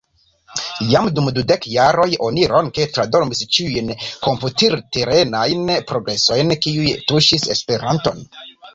Jam dum dudek jaroj oni ronke tradormis ĉiujn komputilterenajn progresojn, kiuj tuŝis Esperanton.